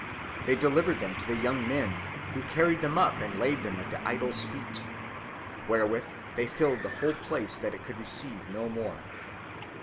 They delivered them to the young men, who carried them up and laid them at the idol's feet, wherewith they filled the whole place that it could receive no more.